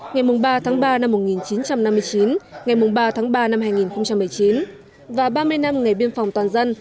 ngày ba tháng ba năm một nghìn chín trăm năm mươi chín ngày ba tháng ba năm hai nghìn một mươi chín và ba mươi năm ngày biên phòng toàn dân